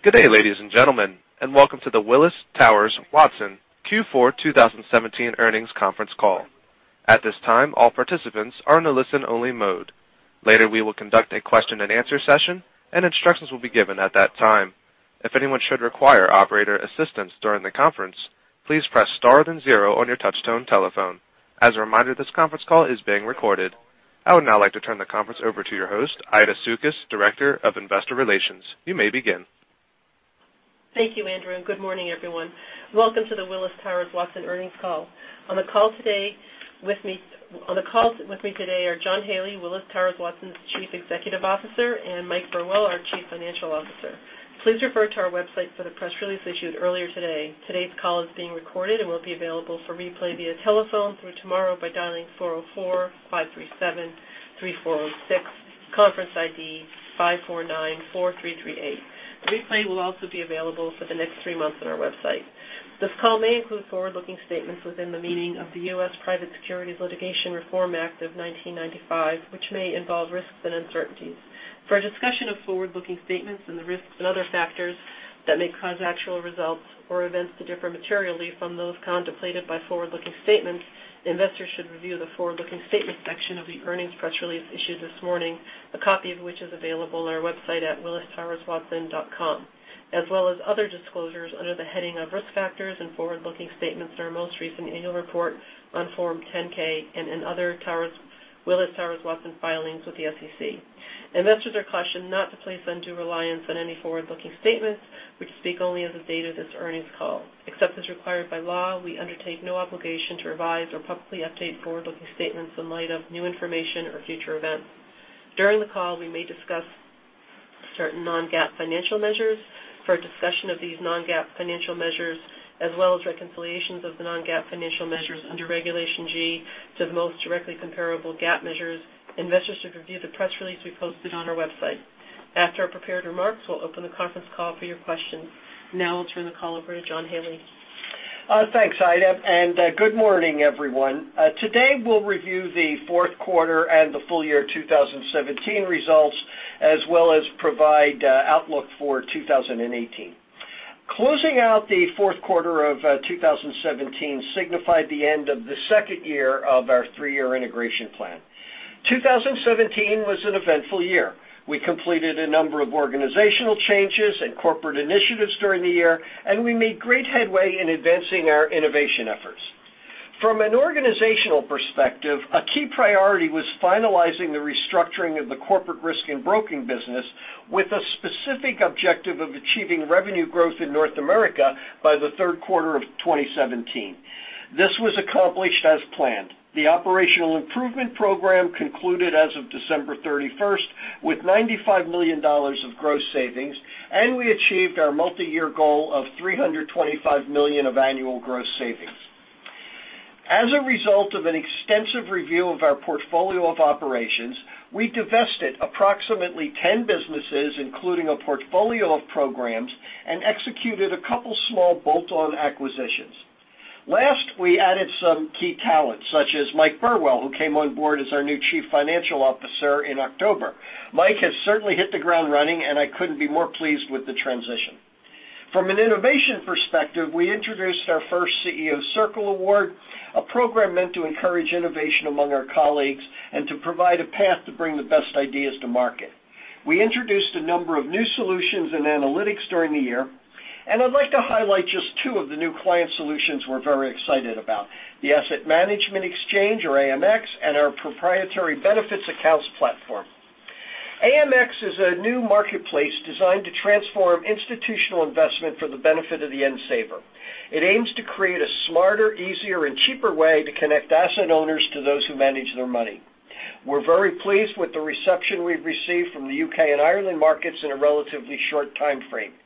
Good day, ladies and gentlemen, and welcome to the Willis Towers Watson Q4 2017 earnings conference call. At this time, all participants are in a listen-only mode. Later, we will conduct a question and answer session, and instructions will be given at that time. If anyone should require operator assistance during the conference, please press star then zero on your touch-tone telephone. As a reminder, this conference call is being recorded. I would now like to turn the conference over to your host, Aida Sukys, Director of Investor Relations. You may begin. Thank you, Andrew, and good morning, everyone. Welcome to the Willis Towers Watson earnings call. On the call with me today are John Haley, Willis Towers Watson's Chief Executive Officer, and Mike Burwell, our Chief Financial Officer. Please refer to our website for the press release issued earlier today. Today's call is being recorded and will be available for replay via telephone through tomorrow by dialing 404-537-346, conference ID 5494338. The replay will also be available for the next three months on our website. This call may include forward-looking statements within the meaning of the U.S. Private Securities Litigation Reform Act of 1995, which may involve risks and uncertainties. For a discussion of forward-looking statements and the risks and other factors that may cause actual results or events to differ materially from those contemplated by forward-looking statements, investors should review the forward-looking statement section of the earnings press release issued this morning, a copy of which is available on our website at willistowerswatson.com, as well as other disclosures under the heading of Risk Factors and Forward-Looking Statements in our most recent annual report on Form 10-K and in other Willis Towers Watson filings with the SEC. Investors are cautioned not to place undue reliance on any forward-looking statements, which speak only as of the date of this earnings call. Except as required by law, we undertake no obligation to revise or publicly update forward-looking statements in light of new information or future events. During the call, we may discuss certain non-GAAP financial measures. For a discussion of these non-GAAP financial measures, as well as reconciliations of the non-GAAP financial measures under Regulation G to the most directly comparable GAAP measures, investors should review the press release we posted on our website. After our prepared remarks, we'll open the conference call for your questions. I'll turn the call over to John Haley. Thanks, Aida, and good morning, everyone. Today, we'll review the fourth quarter and the full year 2017 results, as well as provide outlook for 2018. Closing out the fourth quarter of 2017 signified the end of the second year of our three-year integration plan. 2017 was an eventful year. We completed a number of organizational changes and corporate initiatives during the year, and we made great headway in advancing our innovation efforts. From an organizational perspective, a key priority was finalizing the restructuring of the Corporate Risk and Broking business with a specific objective of achieving revenue growth in North America by the third quarter of 2017. This was accomplished as planned. The operational improvement program concluded as of December 31st with $95 million of gross savings, and we achieved our multi-year goal of $325 million of annual gross savings. As a result of an extensive review of our portfolio of operations, we divested approximately 10 businesses, including a portfolio of programs, and executed a couple small bolt-on acquisitions. Last, we added some key talent, such as Mike Burwell, who came on board as our new Chief Financial Officer in October. Mike has certainly hit the ground running, and I couldn't be more pleased with the transition. From an innovation perspective, we introduced our first CEO Circle Award, a program meant to encourage innovation among our colleagues and to provide a path to bring the best ideas to market. We introduced a number of new solutions and analytics during the year, and I'd like to highlight just two of the new client solutions we're very excited about, the Asset Management Exchange, or AMX, and our proprietary Benefits Accounts platform. AMX is a new marketplace designed to transform institutional investment for the benefit of the end saver. It aims to create a smarter, easier, and cheaper way to connect asset owners to those who manage their money. We're very pleased with the reception we've received from the U.K. and Ireland markets in a relatively short timeframe.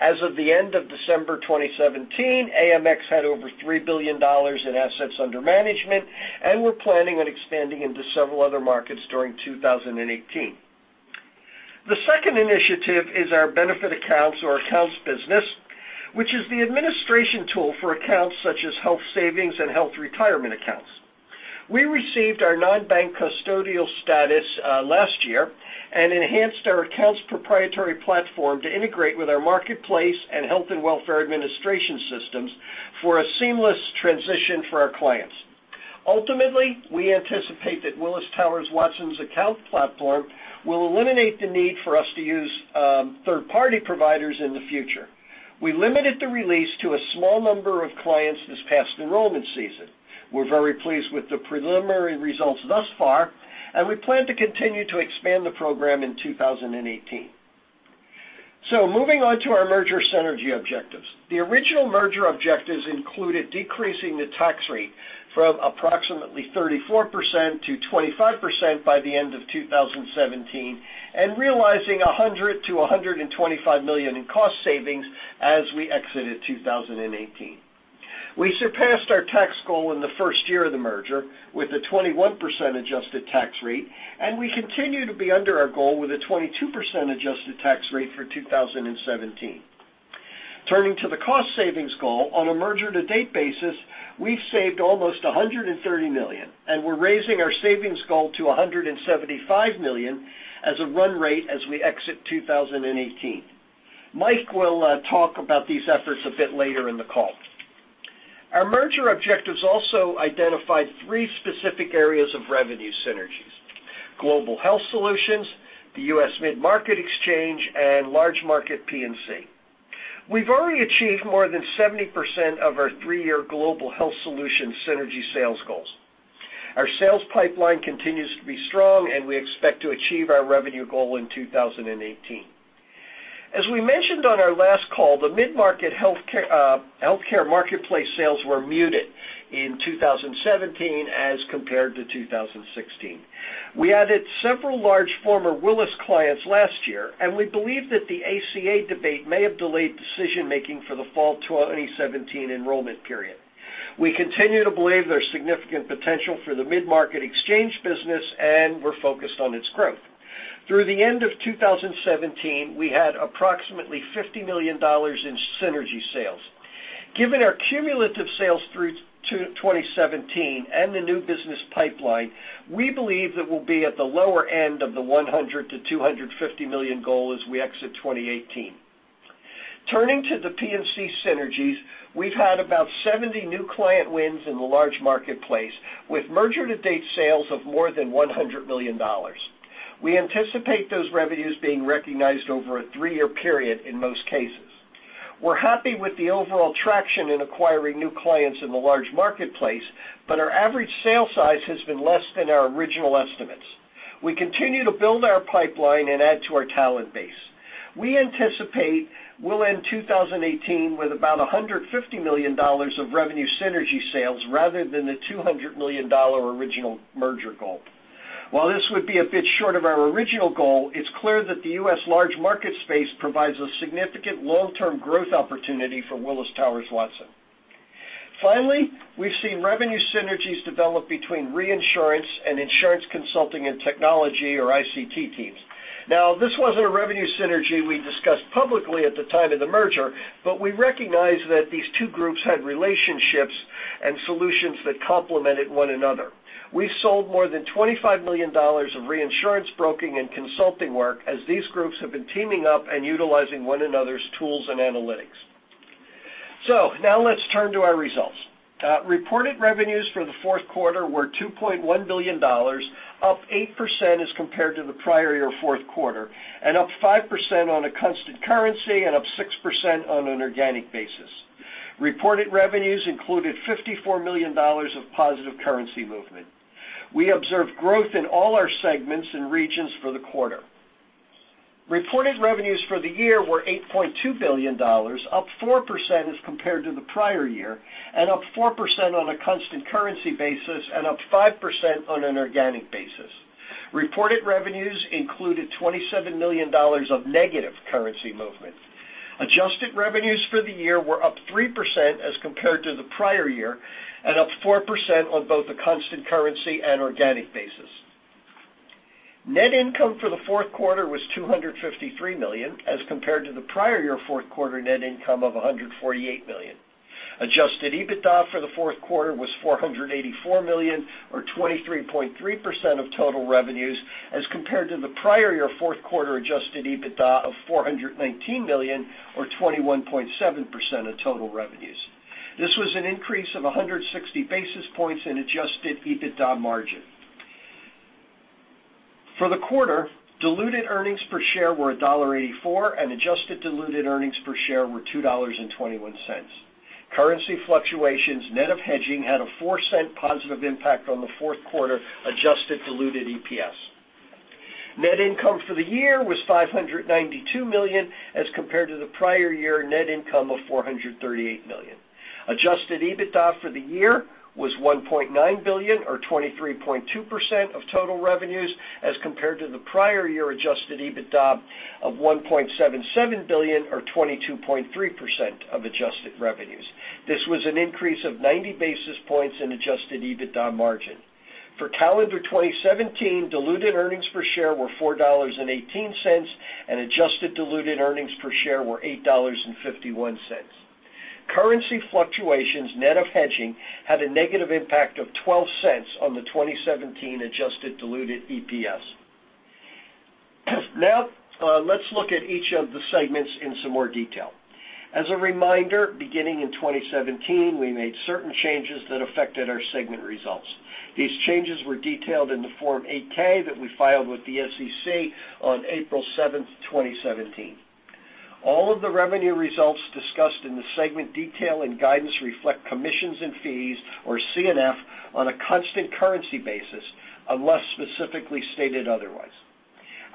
As of the end of December 2017, AMX had over $3 billion in assets under management, and we're planning on expanding into several other markets during 2018. The second initiative is our Benefits Accounts or Accounts business, which is the administration tool for accounts such as health savings and health retirement accounts. We received our non-bank custodial status last year and enhanced our Benefits Accounts proprietary platform to integrate with our marketplace and health and welfare administration systems for a seamless transition for our clients. Ultimately, we anticipate that Willis Towers Watson's Benefits Accounts platform will eliminate the need for us to use third-party providers in the future. We limited the release to a small number of clients this past enrollment season. We're very pleased with the preliminary results thus far, and we plan to continue to expand the program in 2018. Moving on to our merger synergy objectives. The original merger objectives included decreasing the tax rate from approximately 34% to 25% by the end of 2017 and realizing $100 million to $125 million in cost savings as we exited 2018. We surpassed our tax goal in the first year of the merger with a 21% adjusted tax rate, and we continue to be under our goal with a 22% adjusted tax rate for 2017. Turning to the cost savings goal, on a merger-to-date basis, we've saved almost $130 million, and we're raising our savings goal to $175 million as a run rate as we exit 2018. Mike will talk about these efforts a bit later in the call. Our merger objectives also identified three specific areas of revenue synergies, global health solutions, the U.S. mid-market exchange, and large-market P&C. We've already achieved more than 70% of our three-year global health solution synergy sales goals. Our sales pipeline continues to be strong, and we expect to achieve our revenue goal in 2018. As we mentioned on our last call, the mid-market healthcare marketplace sales were muted in 2017 as compared to 2016. We added several large former Willis clients last year, and we believe that the ACA debate may have delayed decision-making for the fall 2017 enrollment period. We continue to believe there's significant potential for the mid-market exchange business, and we're focused on its growth. Through the end of 2017, we had approximately $50 million in synergy sales. Given our cumulative sales through to 2017 and the new business pipeline, we believe that we'll be at the lower end of the $100 million-$250 million goal as we exit 2018. Turning to the P&C synergies, we've had about 70 new client wins in the large marketplace, with merger-to-date sales of more than $100 million. We anticipate those revenues being recognized over a three-year period in most cases. We're happy with the overall traction in acquiring new clients in the large marketplace, but our average sale size has been less than our original estimates. We continue to build our pipeline and add to our talent base. We anticipate we'll end 2018 with about $150 million of revenue synergy sales rather than the $200 million original merger goal. While this would be a bit short of our original goal, it's clear that the U.S. large market space provides a significant long-term growth opportunity for Willis Towers Watson. Finally, we've seen revenue synergies develop between reinsurance and Insurance Consulting and Technology or ICT teams. This wasn't a revenue synergy we discussed publicly at the time of the merger, but we recognized that these two groups had relationships and solutions that complemented one another. We sold more than $25 million of reinsurance broking and consulting work as these groups have been teaming up and utilizing one another's tools and analytics. Let's turn to our results. Reported revenues for the fourth quarter were $2.1 billion, up 8% as compared to the prior year fourth quarter and up 5% on a constant currency and up 6% on an organic basis. Reported revenues included $54 million of positive currency movement. We observed growth in all our segments and regions for the quarter. Reported revenues for the year were $8.2 billion, up 4% as compared to the prior year and up 4% on a constant currency basis and up 5% on an organic basis. Reported revenues included $27 million of negative currency movement. Adjusted revenues for the year were up 3% as compared to the prior year and up 4% on both a constant currency and organic basis. Net income for the fourth quarter was $253 million as compared to the prior year fourth quarter net income of $148 million. Adjusted EBITDA for the fourth quarter was $484 million or 23.3% of total revenues as compared to the prior year fourth quarter adjusted EBITDA of $419 million or 21.7% of total revenues. This was an increase of 160 basis points in adjusted EBITDA margin. For the quarter, diluted earnings per share were $1.84, and adjusted diluted earnings per share were $2.21. Currency fluctuations, net of hedging, had a $0.04 positive impact on the fourth quarter adjusted diluted EPS. Net income for the year was $592 million as compared to the prior year net income of $438 million. Adjusted EBITDA for the year was $1.9 billion or 23.2% of total revenues as compared to the prior year adjusted EBITDA of $1.77 billion or 22.3% of adjusted revenues. This was an increase of 90 basis points in adjusted EBITDA margin. For calendar 2017, diluted earnings per share were $4.18, and adjusted diluted earnings per share were $8.51. Currency fluctuations, net of hedging, had a negative impact of $0.12 on the 2017 adjusted diluted EPS. Let's look at each of the segments in some more detail. As a reminder, beginning in 2017, we made certain changes that affected our segment results. These changes were detailed in the Form 8-K that we filed with the SEC on April 7, 2017. All of the revenue results discussed in the segment detail and guidance reflect commissions and fees, or C&F, on a constant currency basis, unless specifically stated otherwise.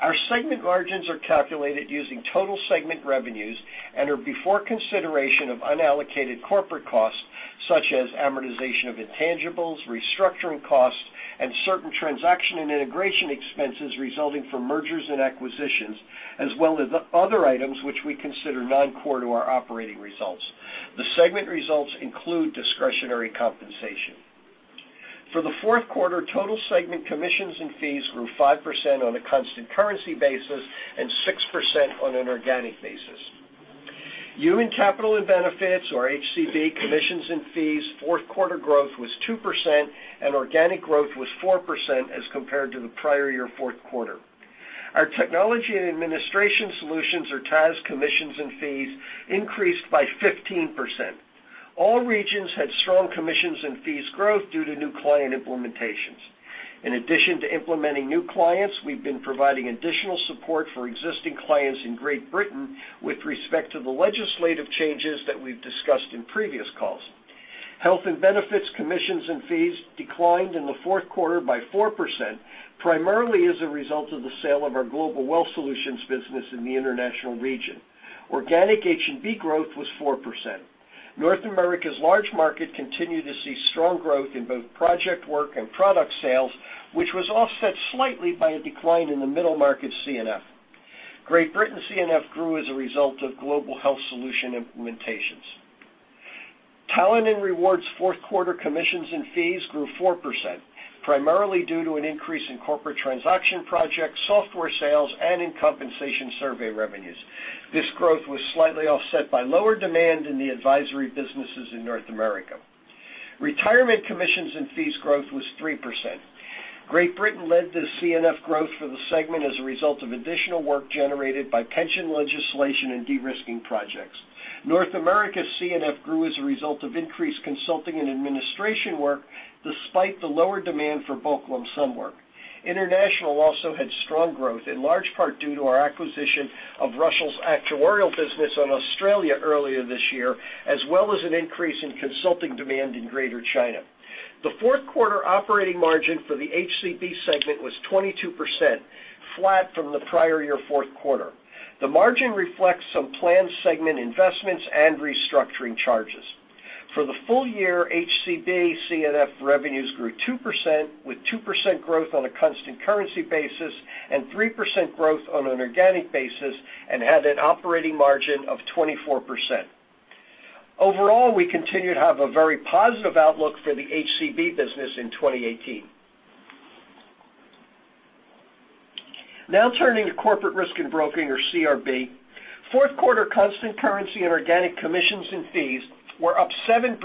Our segment margins are calculated using total segment revenues and are before consideration of unallocated corporate costs such as amortization of intangibles, restructuring costs, and certain transaction and integration expenses resulting from mergers and acquisitions, as well as other items which we consider non-core to our operating results. The segment results include discretionary compensation. For the fourth quarter, total segment commissions and fees grew 5% on a constant currency basis and 6% on an organic basis. Human Capital & Benefits, or HCB, commissions and fees fourth quarter growth was 2% and organic growth was 4% as compared to the prior year fourth quarter. Our Technology and Administration Solutions or TAS commissions and fees increased by 15%. All regions had strong commissions and fees growth due to new client implementations. In addition to implementing new clients, we've been providing additional support for existing clients in Great Britain with respect to the legislative changes that we've discussed in previous calls. Health & Benefits commissions and fees declined in the fourth quarter by 4%, primarily as a result of the sale of our Global Wealth Solutions business in the international region. Organic H&B growth was 4%. North America's large market continued to see strong growth in both project work and product sales, which was offset slightly by a decline in the middle market C&F. Great Britain C&F grew as a result of global health solution implementations. Talent and rewards fourth quarter commissions and fees grew 4%, primarily due to an increase in corporate transaction projects, software sales, and in compensation survey revenues. This growth was slightly offset by lower demand in the advisory businesses in North America. Retirement commissions and fees growth was 3%. Great Britain led the C&F growth for the segment as a result of additional work generated by pension legislation and de-risking projects. North America C&F grew as a result of increased consulting and administration work despite the lower demand for bulk lump sum work. International also had strong growth, in large part due to our acquisition of Russell's actuarial business on Australia earlier this year, as well as an increase in consulting demand in Greater China. The fourth quarter operating margin for the HCB segment was 22%, flat from the prior year fourth quarter. The margin reflects some planned segment investments and restructuring charges. For the full year, HCB C&F revenues grew 2%, with 2% growth on a constant currency basis and 3% growth on an organic basis, and had an operating margin of 24%. Overall, we continue to have a very positive outlook for the HCB business in 2018. Now turning to Corporate Risk and Broking, or CRB. Fourth quarter constant currency and organic commissions and fees were up 7%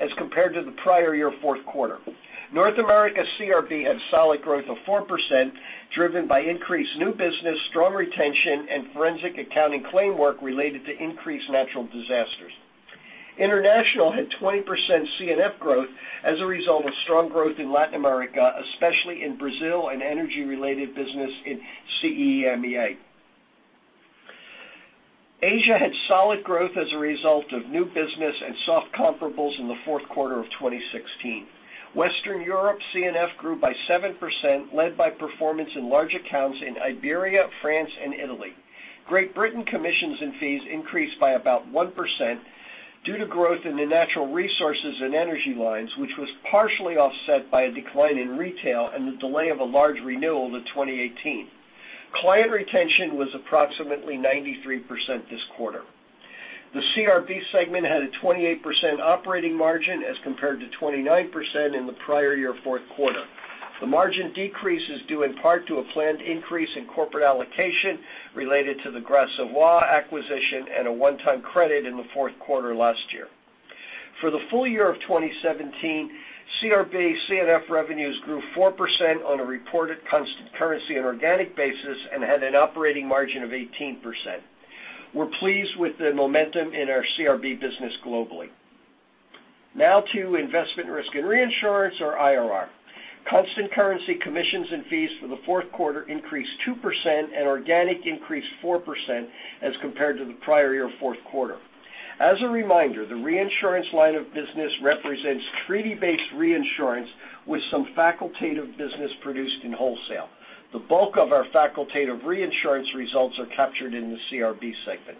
as compared to the prior year fourth quarter. North America CRB had solid growth of 4%, driven by increased new business, strong retention, and forensic accounting claim work related to increased natural disasters. International had 20% C&F growth as a result of strong growth in Latin America, especially in Brazil and energy-related business in CEMEA. Asia had solid growth as a result of new business and soft comparables in the fourth quarter of 2016. Western Europe C&F grew by 7%, led by performance in large accounts in Iberia, France, and Italy. Great Britain commissions and fees increased by about 1% due to growth in the natural resources and energy lines, which was partially offset by a decline in retail and the delay of a large renewal to 2018. Client retention was approximately 93% this quarter. The CRB segment had a 28% operating margin as compared to 29% in the prior year fourth quarter. The margin decrease is due in part to a planned increase in corporate allocation related to the Gras Savoye acquisition and a one-time credit in the fourth quarter last year. For the full year of 2017, CRB C&F revenues grew 4% on a reported constant currency and organic basis and had an operating margin of 18%. We're pleased with the momentum in our CRB business globally. Now to Investment, Risk and Reinsurance, or IRR. Constant currency commissions and fees for the fourth quarter increased 2% and organic increased 4% as compared to the prior year fourth quarter. As a reminder, the reinsurance line of business represents treaty-based reinsurance with some facultative business produced in wholesale. The bulk of our facultative reinsurance results are captured in the CRB segment.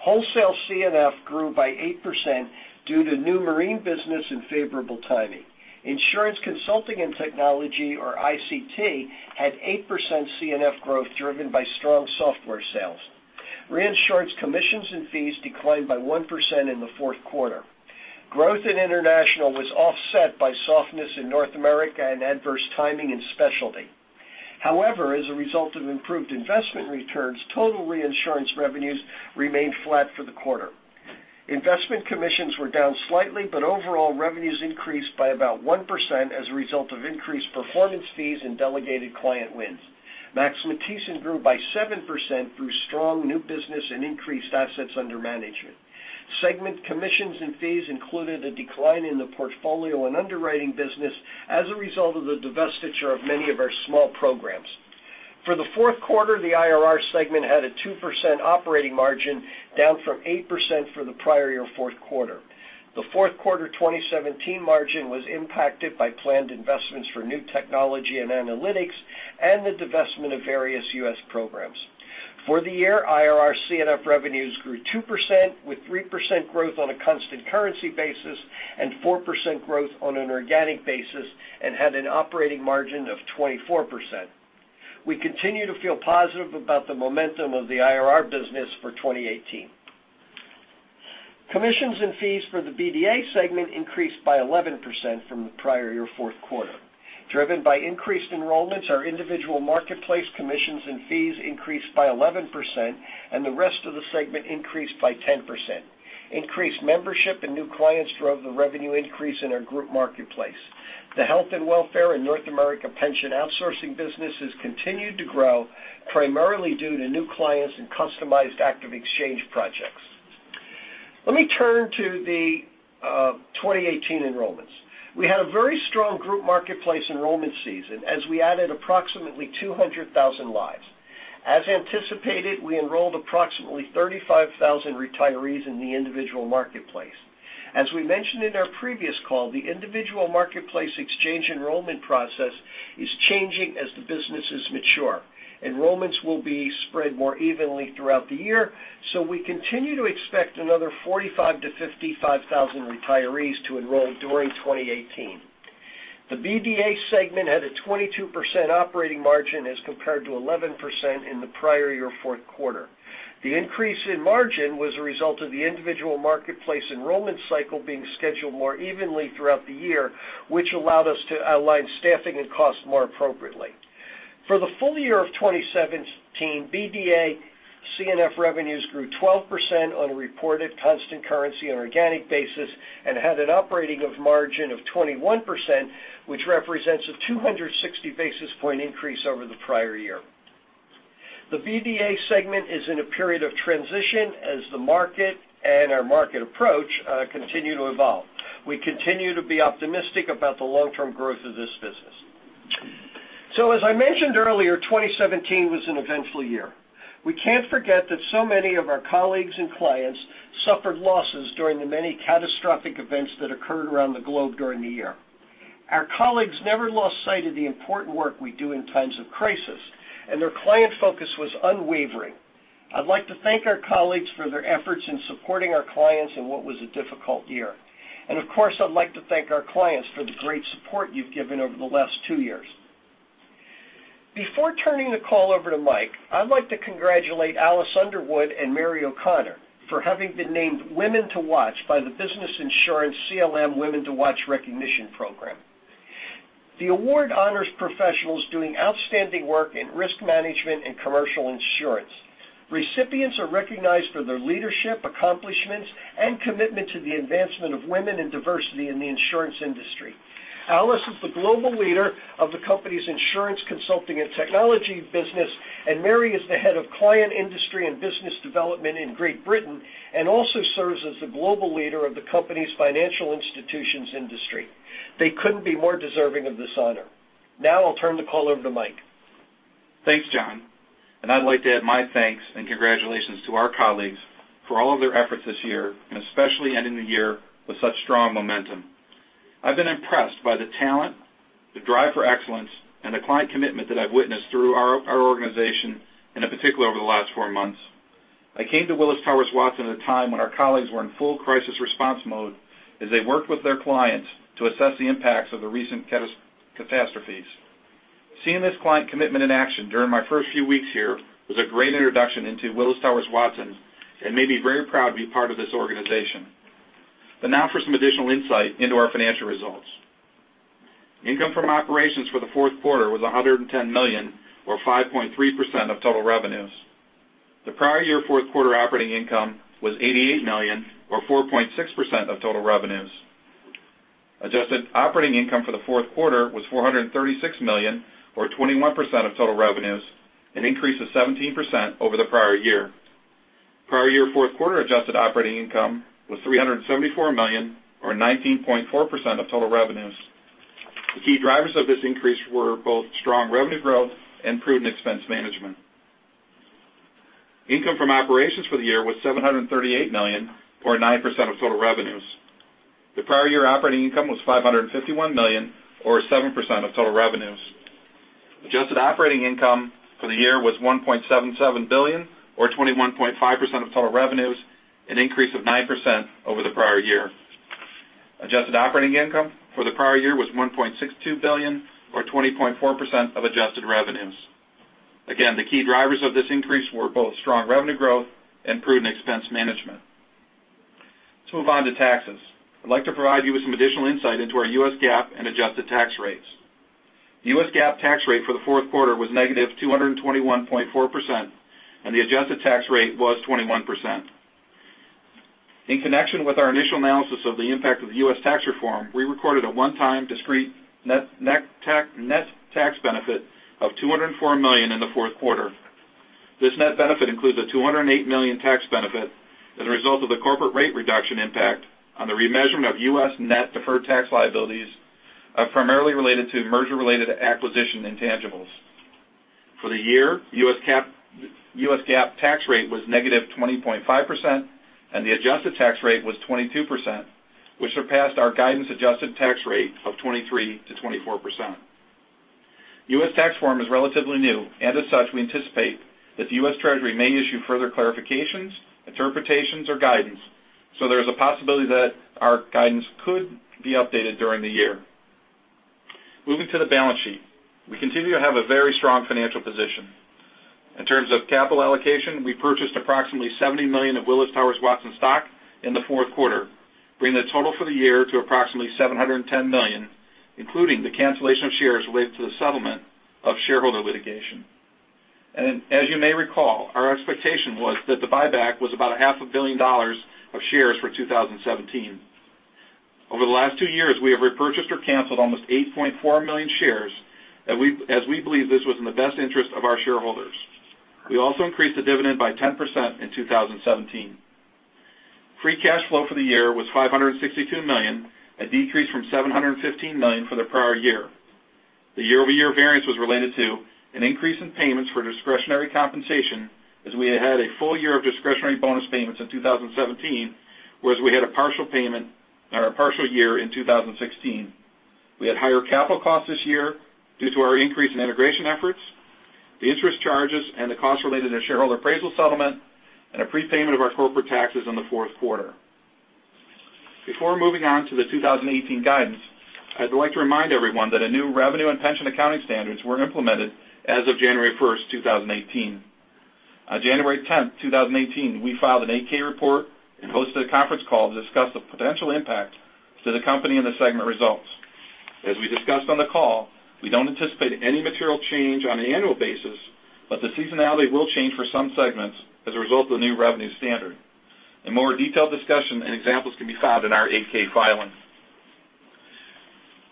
Wholesale C&F grew by 8% due to new marine business and favorable timing. Insurance Consulting and Technology, or ICT, had 8% C&F growth driven by strong software sales. Reinsurance commissions and fees declined by 1% in the fourth quarter. Growth in international was offset by softness in North America and adverse timing in specialty. As a result of improved investment returns, total reinsurance revenues remained flat for the quarter. Investment commissions were down slightly, but overall revenues increased by about 1% as a result of increased performance fees and delegated client wins. Max Matthiessen grew by 7% through strong new business and increased assets under management. Segment commissions and fees included a decline in the portfolio and underwriting business as a result of the divestiture of many of our small programs. For the fourth quarter, the IRR segment had a 2% operating margin, down from 8% for the prior year fourth quarter. The fourth quarter 2017 margin was impacted by planned investments for new technology and analytics and the divestment of various U.S. programs. For the year, IRR C&F revenues grew 2%, with 3% growth on a constant currency basis and 4% growth on an organic basis, and had an operating margin of 24%. We continue to feel positive about the momentum of the IRR business for 2018. Commissions and fees for the BDA segment increased by 11% from the prior year fourth quarter. Driven by increased enrollments, our individual marketplace commissions and fees increased by 11%, and the rest of the segment increased by 10%. Increased membership and new clients drove the revenue increase in our group marketplace. The health and welfare and North America pension outsourcing businesses continued to grow, primarily due to new clients and customized active exchange projects. Let me turn to the 2018 enrollments. We had a very strong group marketplace enrollment season as we added approximately 200,000 lives. As anticipated, we enrolled approximately 35,000 retirees in the individual marketplace. As we mentioned in our previous call, the individual marketplace exchange enrollment process is changing as the businesses mature. Enrollments will be spread more evenly throughout the year, so we continue to expect another 45,000-55,000 retirees to enroll during 2018. The BDA segment had a 22% operating margin as compared to 11% in the prior year fourth quarter. The increase in margin was a result of the individual marketplace enrollment cycle being scheduled more evenly throughout the year, which allowed us to align staffing and cost more appropriately. For the full year of 2017, BDA C&F revenues grew 12% on a reported constant currency and organic basis and had an operating margin of 21%, which represents a 260 basis point increase over the prior year. The BDA segment is in a period of transition as the market and our market approach continue to evolve. We continue to be optimistic about the long-term growth of this business. As I mentioned earlier, 2017 was an eventful year. We can't forget that so many of our colleagues and clients suffered losses during the many catastrophic events that occurred around the globe during the year. Our colleagues never lost sight of the important work we do in times of crisis, and their client focus was unwavering. I'd like to thank our colleagues for their efforts in supporting our clients in what was a difficult year. Of course, I'd like to thank our clients for the great support you've given over the last two years. Before turning the call over to Mike, I'd like to congratulate Alice Underwood and Mary O'Connor for having been named Women to Watch by the Business Insurance Women to Watch recognition program. The award honors professionals doing outstanding work in risk management and commercial insurance. Recipients are recognized for their leadership, accomplishments, and commitment to the advancement of women and diversity in the insurance industry. Alice is the global leader of the company's Insurance Consulting and Technology business, and Mary is the head of client industry and business development in Great Britain, and also serves as the global leader of the company's financial institutions industry. They couldn't be more deserving of this honor. I'll turn the call over to Mike. Thanks, John. I'd like to add my thanks and congratulations to our colleagues for all of their efforts this year, and especially ending the year with such strong momentum. I've been impressed by the talent, the drive for excellence, and the client commitment that I've witnessed through our organization, and in particular, over the last 4 months. I came to Willis Towers Watson at a time when our colleagues were in full crisis response mode as they worked with their clients to assess the impacts of the recent catastrophes. Seeing this client commitment in action during my first few weeks here was a great introduction into Willis Towers Watson and made me very proud to be part of this organization. Now for some additional insight into our financial results. Income from operations for the fourth quarter was $110 million, or 5.3% of total revenues. The prior year fourth quarter operating income was $88 million, or 4.6% of total revenues. Adjusted operating income for the fourth quarter was $436 million, or 21% of total revenues, an increase of 17% over the prior year. Prior year fourth quarter adjusted operating income was $374 million or 19.4% of total revenues. The key drivers of this increase were both strong revenue growth and prudent expense management. Income from operations for the year was $738 million or 9% of total revenues. The prior year operating income was $551 million or 7% of total revenues. Adjusted operating income for the year was $1.77 billion or 21.5% of total revenues, an increase of 9% over the prior year. Adjusted operating income for the prior year was $1.62 billion or 20.4% of adjusted revenues. Again, the key drivers of this increase were both strong revenue growth and prudent expense management. Let's move on to taxes. I'd like to provide you with some additional insight into our U.S. GAAP and adjusted tax rates. U.S. GAAP tax rate for the fourth quarter was -221.4%, and the adjusted tax rate was 21%. In connection with our initial analysis of the impact of the U.S. tax reform, we recorded a one-time discrete net tax benefit of $204 million in the fourth quarter. This net benefit includes a $208 million tax benefit as a result of the corporate rate reduction impact on the remeasurement of U.S. net deferred tax liabilities, primarily related to merger-related acquisition intangibles. For the year, U.S. GAAP tax rate was -20.5%, and the adjusted tax rate was 22%, which surpassed our guidance adjusted tax rate of 23%-24%. U.S. tax form is relatively new. As such, we anticipate that the U.S. Treasury may issue further clarifications, interpretations, or guidance. There is a possibility that our guidance could be updated during the year. Moving to the balance sheet. We continue to have a very strong financial position. In terms of capital allocation, we purchased approximately $70 million of Willis Towers Watson stock in the fourth quarter, bringing the total for the year to approximately $710 million, including the cancellation of shares related to the settlement of shareholder litigation. As you may recall, our expectation was that the buyback was about a half a billion dollars of shares for 2017. Over the last two years, we have repurchased or canceled almost 8.4 million shares, as we believe this was in the best interest of our shareholders. We also increased the dividend by 10% in 2017. Free cash flow for the year was $562 million, a decrease from $715 million for the prior year. The year-over-year variance was related to an increase in payments for discretionary compensation, as we had a full year of discretionary bonus payments in 2017, whereas we had a partial year in 2016. We had higher capital costs this year due to our increase in integration efforts, the interest charges and the costs related to shareholder appraisal settlement, and a prepayment of our corporate taxes in the fourth quarter. Before moving on to the 2018 guidance, I'd like to remind everyone that new revenue and pension accounting standards were implemented as of January 1st, 2018. On January 10th, 2018, we filed an 8-K report and hosted a conference call to discuss the potential impact to the company and the segment results. As we discussed on the call, we don't anticipate any material change on an annual basis, but the seasonality will change for some segments as a result of the new revenue standard. A more detailed discussion and examples can be found in our 8-K filing.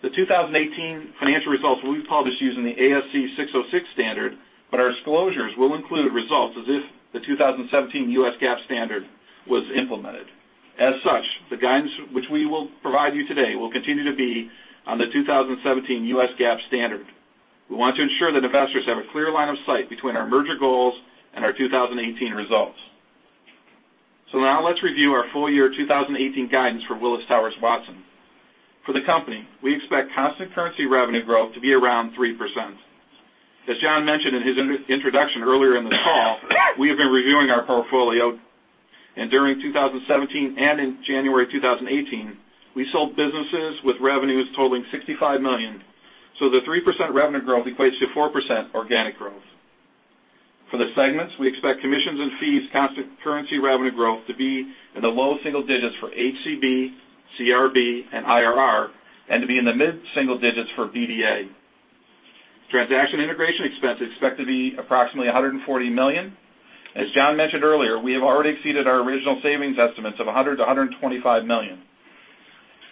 The 2018 financial results will be published using the ASC 606 standard, but our disclosures will include results as if the 2017 U.S. GAAP standard was implemented. As such, the guidance which we will provide you today will continue to be on the 2017 U.S. GAAP standard. We want to ensure that investors have a clear line of sight between our merger goals and our 2018 results. Now let's review our full year 2018 guidance for Willis Towers Watson. For the company, we expect constant currency revenue growth to be around 3%. As John mentioned in his introduction earlier in the call, we have been reviewing our portfolio. During 2017 and in January 2018, we sold businesses with revenues totaling $65 million. The 3% revenue growth equates to 4% organic growth. For the segments, we expect commissions and fees constant currency revenue growth to be in the low single digits for HCB, CRB, and IRR, and to be in the mid-single digits for BDA. Transaction integration expense is expected to be approximately $140 million. As John mentioned earlier, we have already exceeded our original savings estimates of $100 million-$125 million.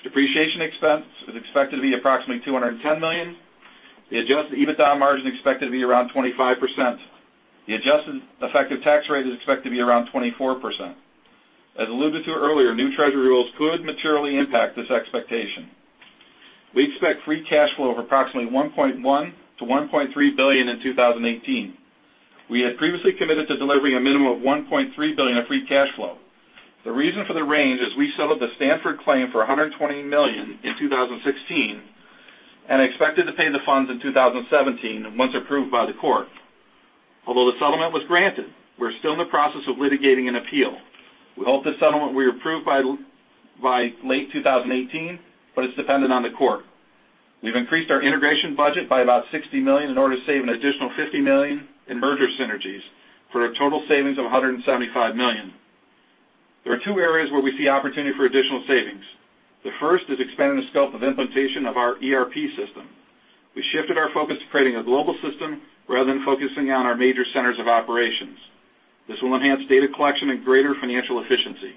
Depreciation expense is expected to be approximately $210 million. The adjusted EBITDA margin is expected to be around 25%. The adjusted effective tax rate is expected to be around 24%. As alluded to earlier, new treasury rules could materially impact this expectation. We expect free cash flow of approximately $1.1 billion-$1.3 billion in 2018. We had previously committed to delivering a minimum of $1.3 billion of free cash flow. The reason for the range is we settled the Stanford claim for $120 million in 2016 and expected to pay the funds in 2017 once approved by the court. Although the settlement was granted, we're still in the process of litigating an appeal. We hope the settlement will be approved by late 2018, but it's dependent on the court. We've increased our integration budget by about $60 million in order to save an additional $50 million in merger synergies for a total savings of $175 million. There are two areas where we see opportunity for additional savings. The first is expanding the scope of implementation of our ERP system. We shifted our focus to creating a global system rather than focusing on our major centers of operations. This will enhance data collection and greater financial efficiency.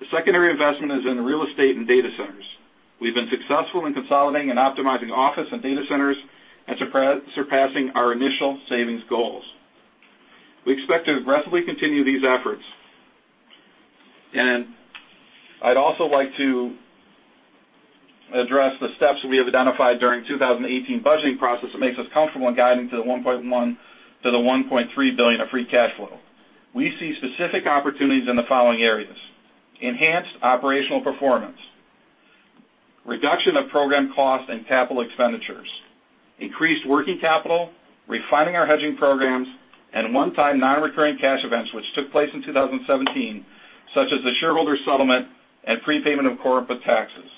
The secondary investment is in real estate and data centers. We've been successful in consolidating and optimizing office and data centers and surpassing our initial savings goals. We expect to aggressively continue these efforts. I'd also like to address the steps we have identified during 2018 budgeting process that makes us comfortable in guiding to the $1.1 billion-$1.3 billion of free cash flow. We see specific opportunities in the following areas: enhanced operational performance, reduction of program costs and capital expenditures, increased working capital, refining our hedging programs, and one-time non-recurring cash events which took place in 2017, such as the shareholder settlement and prepayment of corporate taxes.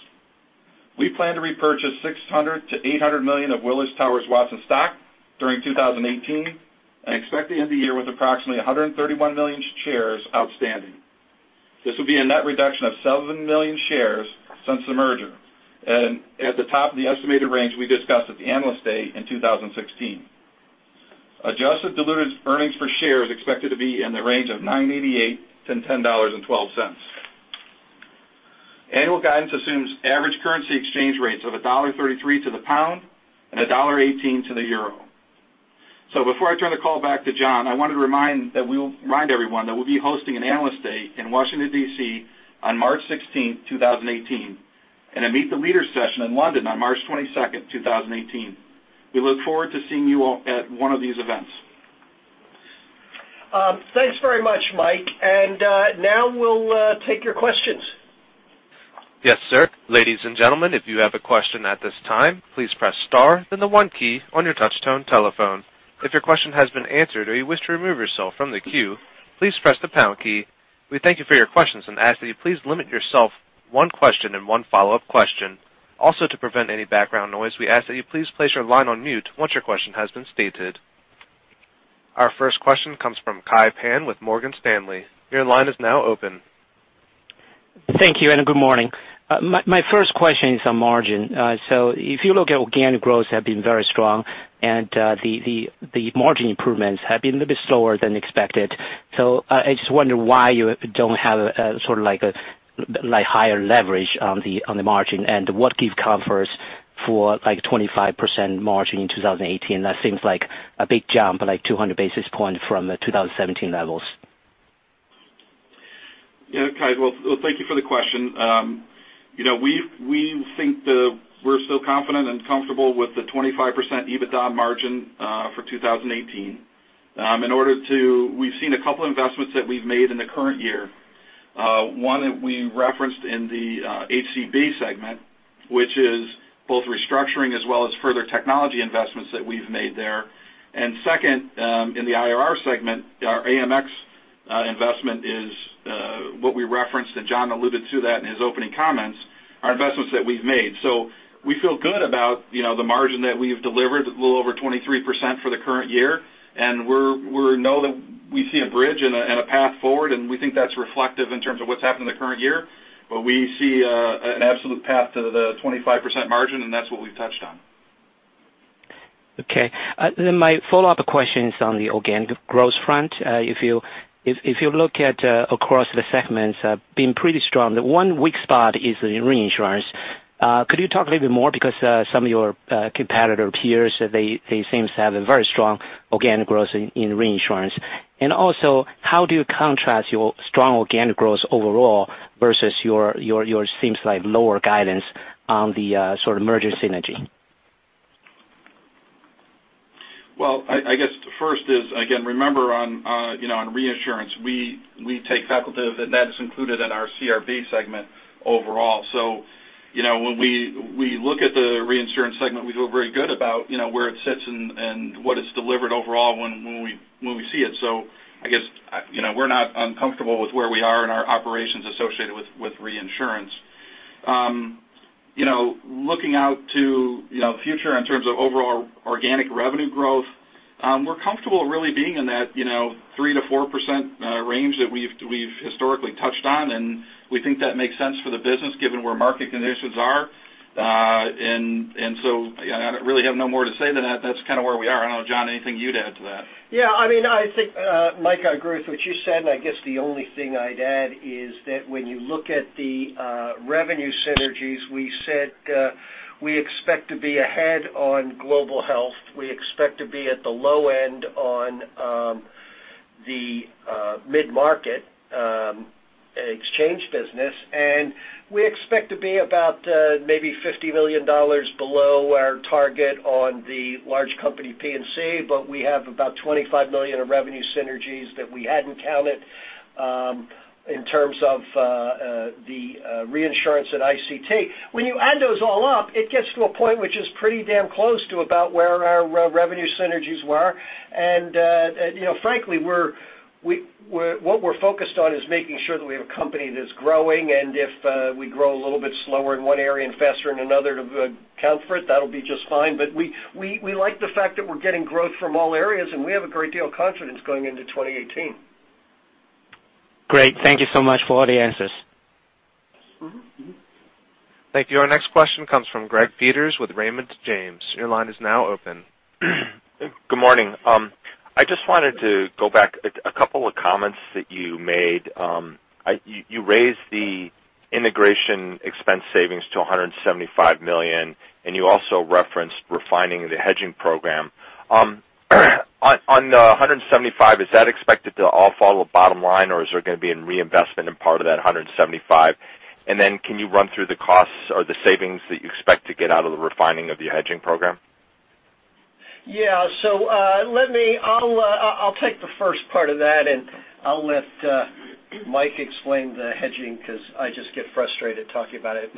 We plan to repurchase $600 million-$800 million of Willis Towers Watson stock during 2018 and expect to end the year with approximately 131 million shares outstanding. This will be a net reduction of 7 million shares since the merger and at the top of the estimated range we discussed at the Analyst Day in 2016. Adjusted diluted earnings per share is expected to be in the range of $9.88-$10.12. Annual guidance assumes average currency exchange rates of $1.33 to the pound and $1.18 to the euro. Before I turn the call back to John, I wanted to remind everyone that we'll be hosting an Analyst Day in Washington, D.C. on March 16th, 2018, and a Meet the Leaders session in London on March 22nd, 2018. We look forward to seeing you all at one of these events. Thanks very much, Mike. Now we'll take your questions. Yes, sir. Ladies and gentlemen, if you have a question at this time, please press star then the one key on your touch tone telephone. If your question has been answered or you wish to remove yourself from the queue, please press the pound key. We thank you for your questions and ask that you please limit yourself one question and one follow-up question. Also, to prevent any background noise, we ask that you please place your line on mute once your question has been stated. Our first question comes from Kai Pan with Morgan Stanley. Your line is now open. Thank you, and good morning. My first question is on margin. If you look at organic growth, have been very strong and the margin improvements have been a little bit slower than expected. I just wonder why you don't have sort of like higher leverage on the margin, and what give comforts for 25% margin in 2018. That seems like a big jump, like 200 basis points from 2017 levels. Kai, well, thank you for the question. We think that we're still confident and comfortable with the 25% EBITDA margin for 2018. We've seen a couple investments that we've made in the current year. One that we referenced in the HCB segment, which is both restructuring as well as further technology investments that we've made there. Second, in the IRR segment, our AMX investment is what we referenced, John alluded to that in his opening comments, are investments that we've made. We feel good about the margin that we've delivered, a little over 23% for the current year. We know that we see a bridge and a path forward. We think that's reflective in terms of what's happened in the current year. We see an absolute path to the 25% margin, and that's what we've touched on. Okay. My follow-up question is on the organic growth front. If you look at across the segments, have been pretty strong. The one weak spot is in reinsurance. Could you talk a little bit more because some of your competitor peers, they seem to have a very strong organic growth in reinsurance. Also, how do you contrast your strong organic growth overall versus your seems like lower guidance on the sort of merger synergy? Well, I guess first is, again, remember on reinsurance, we take facultative, and that's included in our CRB segment overall. When we look at the reinsurance segment, we feel very good about where it sits and what it's delivered overall when we see it. I guess we're not uncomfortable with where we are in our operations associated with reinsurance. Looking out to future in terms of overall organic revenue growth, we're comfortable really being in that 3%-4% range that we've historically touched on, and we think that makes sense for the business given where market conditions are. I really have no more to say than that. That's kind of where we are. I don't know, John, anything you'd add to that? Yeah. I think, Mike, I agree with what you said, and I guess the only thing I'd add is that when you look at the revenue synergies we said we expect to be ahead on global health. We expect to be at the low end on the mid-market exchange business, and we expect to be about maybe $50 million below our target on the large company P&C, but we have about $25 million of revenue synergies that we hadn't counted in terms of the reinsurance at ICT. When you add those all up, it gets to a point which is pretty damn close to about where our revenue synergies were. Frankly, what we're focused on is making sure that we have a company that's growing, and if we grow a little bit slower in one area and faster in another to account for it, that'll be just fine. We like the fact that we're getting growth from all areas, and we have a great deal of confidence going into 2018. Great. Thank you so much for all the answers. Thank you. Our next question comes from Gregory Peters with Raymond James. Your line is now open. Good morning. I just wanted to go back a couple of comments that you made. You raised the integration expense savings to $175 million, and you also referenced refining the hedging program. On the $175 million, is that expected to all follow bottom line, or is there going to be any reinvestment in part of that $175 million? Can you run through the costs or the savings that you expect to get out of the refining of your hedging program? Yeah. I'll take the first part of that, and I'll let Mike explain the hedging because I just get frustrated talking about it.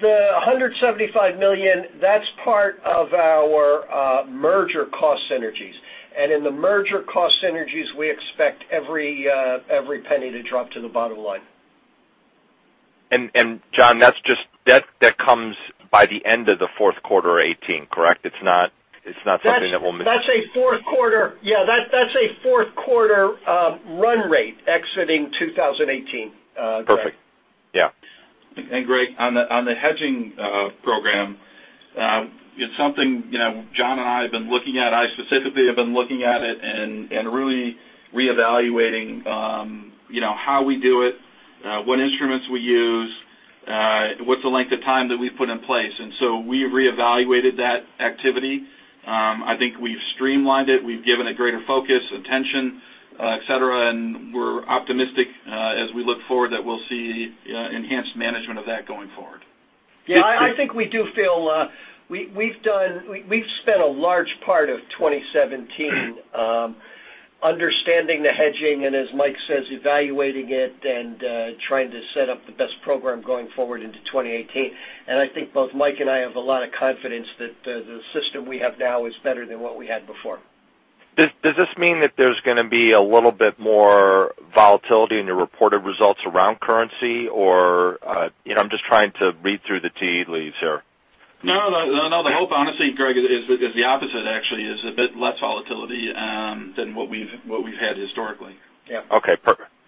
The $175 million, that's part of our merger cost synergies, and in the merger cost synergies, we expect every penny to drop to the bottom line. John, that comes by the end of the fourth quarter 2018, correct? That's a fourth quarter run rate exiting 2018, Greg. Perfect. Yeah. Greg, on the hedging program, it's something John and I have been looking at. I specifically have been looking at it and really reevaluating how we do it, what instruments we use, what's the length of time that we've put in place, and so we reevaluated that activity. I think we've streamlined it. We've given it greater focus, attention, et cetera, and we're optimistic as we look forward that we'll see enhanced management of that going forward. I think we do feel we've spent a large part of 2017 understanding the hedging and, as Mike says, evaluating it and trying to set up the best program going forward into 2018. I think both Mike and I have a lot of confidence that the system we have now is better than what we had before. Does this mean that there's going to be a little bit more volatility in your reported results around currency? I'm just trying to read through the tea leaves here. No. The hope, honestly, Greg, is the opposite, actually, is a bit less volatility than what we've had historically. Okay.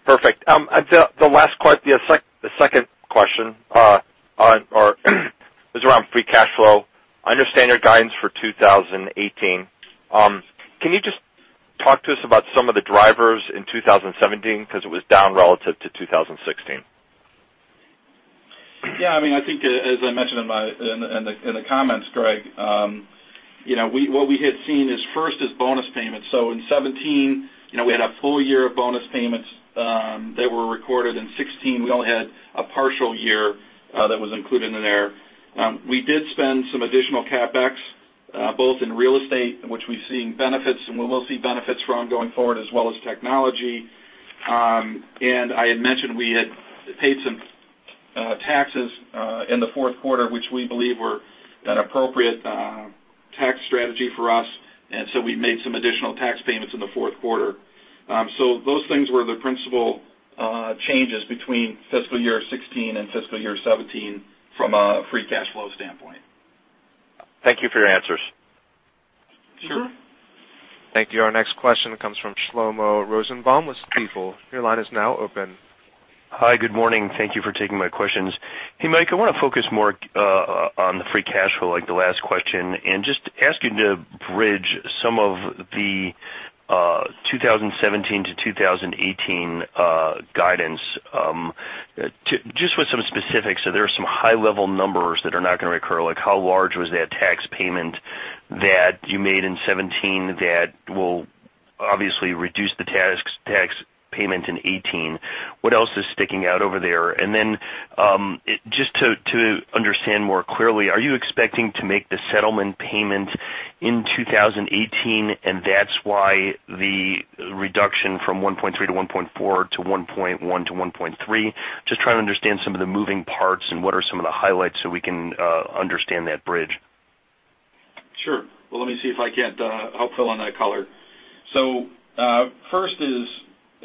Perfect. The second question is around free cash flow. I understand your guidance for 2018. Can you just talk to us about some of the drivers in 2017 because it was down relative to 2016? Yeah. I think, as I mentioned in the comments, Greg, what we had seen first is bonus payments. In 2017, we had a full year of bonus payments that were recorded. In 2016, we only had a partial year that was included in there. We did spend some additional CapEx, both in real estate, in which we're seeing benefits and where we'll see benefits from going forward, as well as technology. I had mentioned we had paid some taxes in the fourth quarter, which we believe were an appropriate tax strategy for us. We made some additional tax payments in the fourth quarter. Those things were the principal changes between fiscal year 2016 and fiscal year 2017 from a free cash flow standpoint. Thank you for your answers. Sure. Thank you. Our next question comes from Shlomo Rosenbaum with Stifel. Your line is now open. Hi. Good morning. Thank you for taking my questions. Hey, Mike, I want to focus more on the free cash flow, like the last question, and just ask you to bridge some of the 2017 to 2018 guidance. Just with some specifics, are there some high-level numbers that are not going to recur? How large was that tax payment that you made in 2017 that will obviously reduce the tax payment in 2018? What else is sticking out over there? Just to understand more clearly, are you expecting to make the settlement payment in 2018, and that's why the reduction from $1.3-$1.4 to $1.1-$1.3? Just trying to understand some of the moving parts and what are some of the highlights so we can understand that bridge. Sure. Well, let me see if I can't help fill in that color. First is,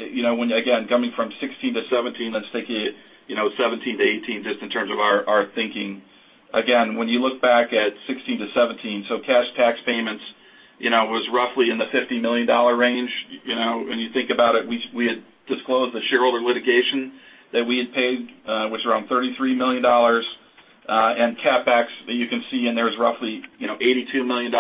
again, coming from 2016 to 2017, let's take it 2017 to 2018, just in terms of our thinking. Again, when you look back at 2016 to 2017, cash tax payments was roughly in the $50 million range. When you think about it, we had disclosed the shareholder litigation that we had paid was around $33 million. CapEx, you can see in there is roughly $82 million.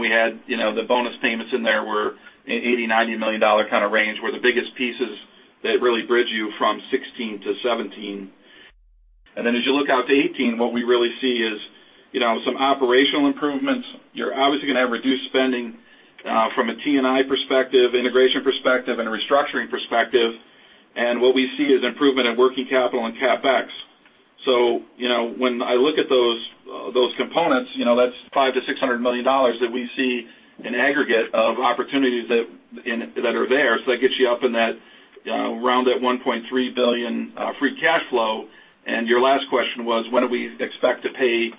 We had the bonus payments in there were $80, $90 million kind of range were the biggest pieces that really bridge you from 2016 to 2017. Then as you look out to 2018, what we really see is some operational improvements. You're obviously going to have reduced spending from a T&I perspective, integration perspective, and a restructuring perspective. What we see is improvement in working capital and CapEx. When I look at those components, that's $500 million to $600 million that we see in aggregate of opportunities that are there. That gets you up in that around that $1.3 billion free cash flow. Your last question was, when do we expect to pay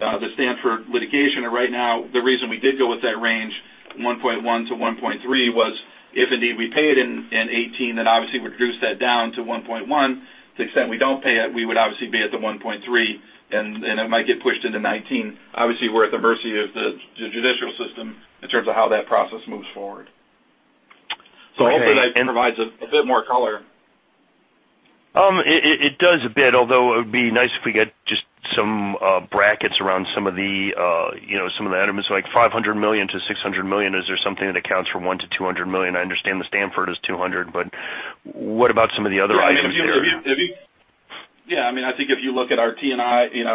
the Stanford litigation? Right now, the reason we did go with that range, $1.1 billion to $1.3 billion, was if indeed we pay it in 2018, then obviously would reduce that down to $1.1 billion. To the extent we don't pay it, we would obviously be at the $1.3 billion, and it might get pushed into 2019. Obviously, we're at the mercy of the judicial system in terms of how that process moves forward. Hopefully that provides a bit more color. It does a bit, although it would be nice if we get just some brackets around some of the items, like $500 million to $600 million. Is there something that accounts for $1 million to $200 million? I understand the Stanford is $200 million, what about some of the other items there? I think if you look at our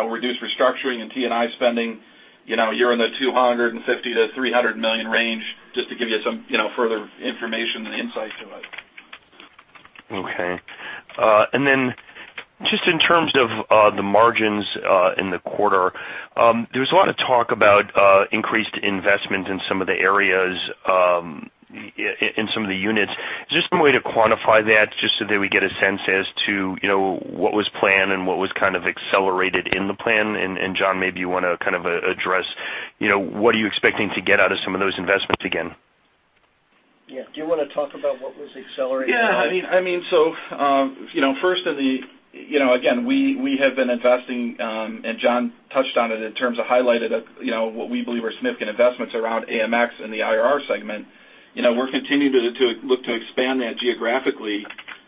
reduced restructuring and T&I spending, you're in the $250 million to $300 million range, just to give you some further information and insight to it. Just in terms of the margins in the quarter, there was a lot of talk about increased investment in some of the areas, in some of the units. Is there some way to quantify that, just so that we get a sense as to what was planned and what was kind of accelerated in the plan? John, maybe you want to kind of address what are you expecting to get out of some of those investments again? Yeah. Do you want to talk about what was accelerated? Yeah. First, again, we have been investing. John touched on it in terms of highlighted what we believe are significant investments around AMX and the IR segment. We're continuing to look to expand that geographically.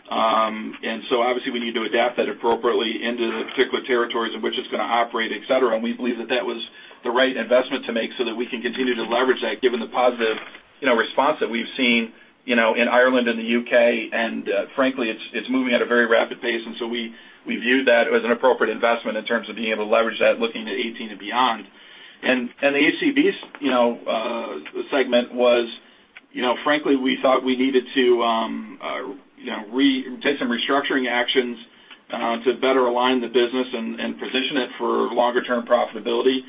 Obviously we need to adapt that appropriately into the particular territories in which it's going to operate, et cetera. We believe that that was the right investment to make so that we can continue to leverage that given the positive response that we've seen in Ireland and the U.K. Frankly, it's moving at a very rapid pace. We viewed that as an appropriate investment in terms of being able to leverage that looking to 2018 and beyond. The HCB segment was, frankly, we thought we needed to take some restructuring actions to better align the business and position it for longer-term profitability.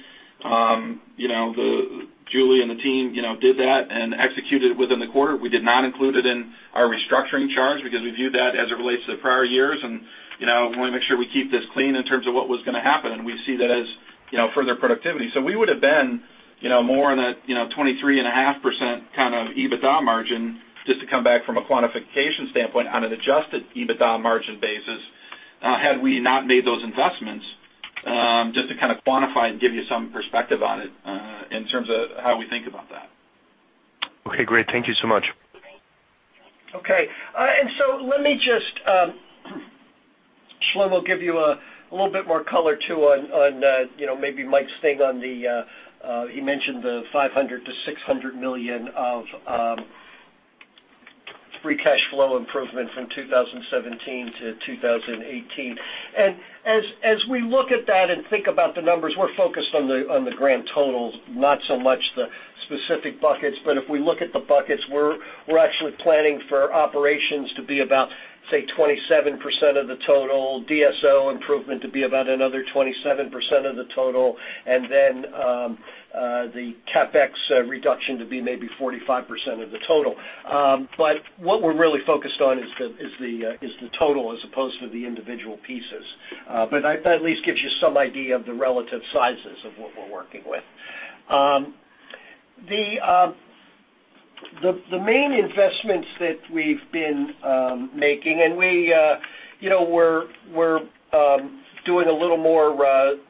Julie and the team did that and executed it within the quarter. We did not include it in our restructuring charge because we viewed that as it relates to the prior years, and we want to make sure we keep this clean in terms of what was going to happen, and we see that as further productivity. We would have been More on that 23.5% kind of EBITDA margin, just to come back from a quantification standpoint on an adjusted EBITDA margin basis, had we not made those investments, just to kind of quantify and give you some perspective on it in terms of how we think about that. Okay, great. Thank you so much. Okay. Shlomo will give you a little bit more color, too, on maybe Mike's thing on the He mentioned the $500 million-$600 million of free cash flow improvement from 2017 to 2018. As we look at that and think about the numbers, we're focused on the grand totals, not so much the specific buckets. If we look at the buckets, we're actually planning for operations to be about, say, 27% of the total, DSO improvement to be about another 27% of the total, and then the CapEx reduction to be maybe 45% of the total. What we're really focused on is the total as opposed to the individual pieces. That at least gives you some idea of the relative sizes of what we're working with. The main investments that we've been making, we're doing a little more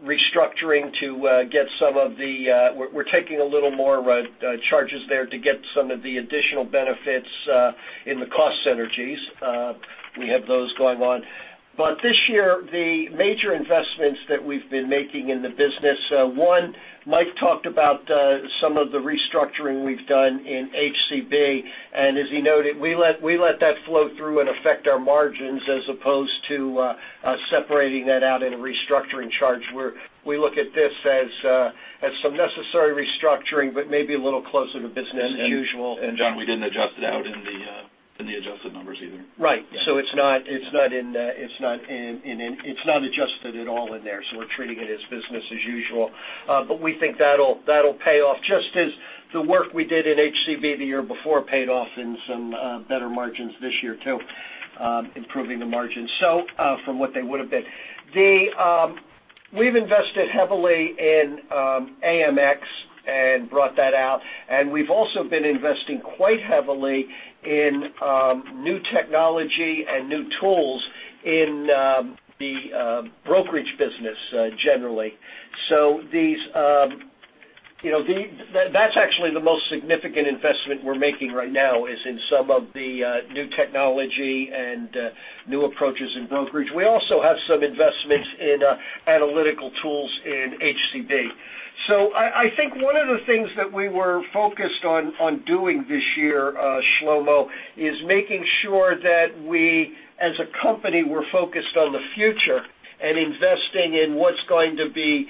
restructuring to get some of the We're taking a little more charges there to get some of the additional benefits in the cost synergies. We have those going on. This year, the major investments that we've been making in the business, one, Mike talked about some of the restructuring we've done in HCB, and as he noted, we let that flow through and affect our margins as opposed to separating that out in a restructuring charge where we look at this as some necessary restructuring, but maybe a little closer to business as usual. John, we didn't adjust it out in the adjusted numbers either. Right. It's not adjusted at all in there, so we're treating it as business as usual. We think that'll pay off just as the work we did in HCB the year before paid off in some better margins this year, too, improving the margins from what they would have been. We've invested heavily in AMX and brought that out. We've also been investing quite heavily in new technology and new tools in the brokerage business generally. That's actually the most significant investment we're making right now is in some of the new technology and new approaches in brokerage. We also have some investments in analytical tools in HCB. I think one of the things that we were focused on doing this year, Shlomo, is making sure that we as a company were focused on the future and investing in what's going to be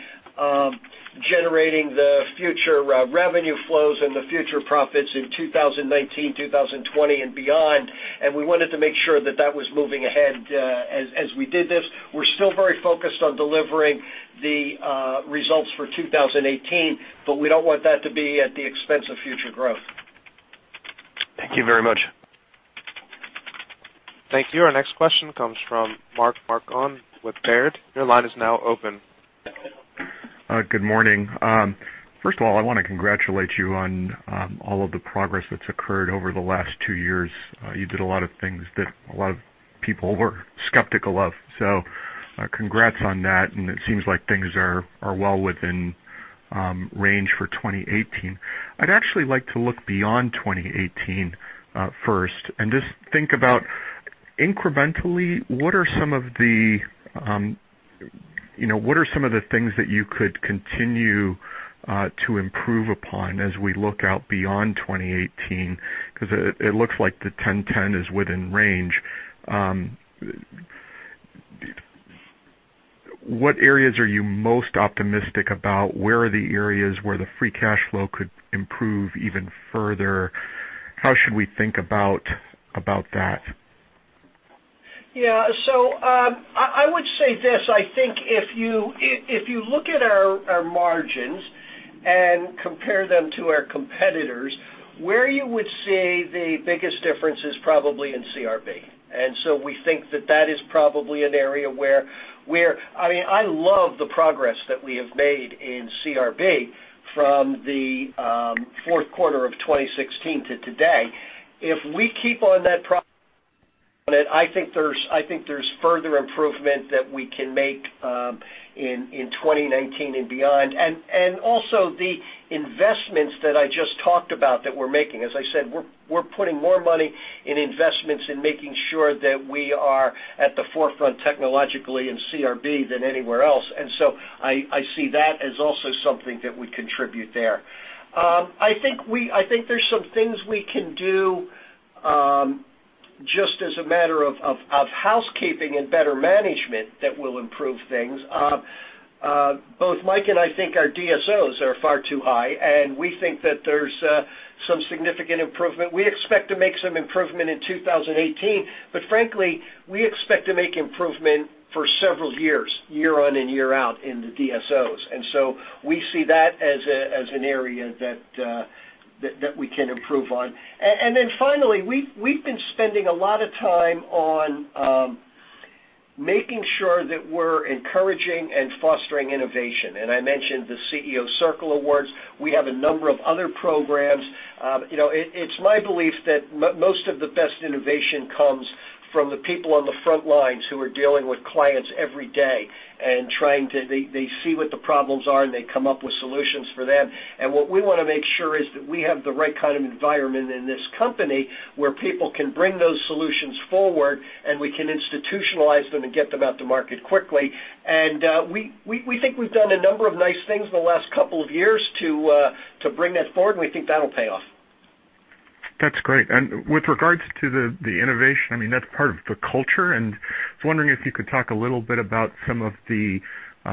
generating the future revenue flows and the future profits in 2019, 2020, and beyond. We wanted to make sure that that was moving ahead as we did this. We're still very focused on delivering the results for 2018, but we don't want that to be at the expense of future growth. Thank you very much. Thank you. Our next question comes from Mark Marcon with Baird. Your line is now open. Good morning. First of all, I want to congratulate you on all of the progress that's occurred over the last two years. You did a lot of things that a lot of people were skeptical of. Congrats on that, and it seems like things are well within range for 2018. I'd actually like to look beyond 2018 first and just think about incrementally, what are some of the things that you could continue to improve upon as we look out beyond 2018? It looks like the 10.10 is within range. What areas are you most optimistic about? Where are the areas where the free cash flow could improve even further? How should we think about that? Yeah. I would say this. I think if you look at our margins and compare them to our competitors, where you would see the biggest difference is probably in CRB. We think that that is probably an area where. I love the progress that we have made in CRB from the fourth quarter of 2016 to today. If we keep on that progress, I think there's further improvement that we can make in 2019 and beyond. Also the investments that I just talked about that we're making, as I said, we're putting more money in investments in making sure that we are at the forefront technologically in CRB than anywhere else. I see that as also something that would contribute there. I think there's some things we can do just as a matter of housekeeping and better management that will improve things. Both Mike and I think our DSOs are far too high, and we think that there's some significant improvement. We expect to make some improvement in 2018. Frankly, we expect to make improvement for several years, year on and year out in the DSOs. We see that as an area that we can improve on. Finally, we've been spending a lot of time on making sure that we're encouraging and fostering innovation. I mentioned the CEO Circle Award. We have a number of other programs. It's my belief that most of the best innovation comes from the people on the front lines who are dealing with clients every day and they see what the problems are, and they come up with solutions for them. What we want to make sure is that we have the right kind of environment in this company where people can bring those solutions forward, and we can institutionalize them and get them out to market quickly. We think we've done a number of nice things in the last couple of years to bring that forward, and we think that'll pay off. That's great. With regards to the innovation, that's part of the culture. I was wondering if you could talk a little bit about some of the